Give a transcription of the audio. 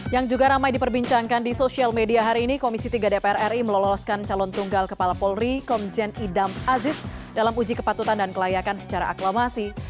yang juga ramai diperbincangkan di sosial media hari ini komisi tiga dpr ri meloloskan calon tunggal kepala polri komjen idam aziz dalam uji kepatutan dan kelayakan secara aklamasi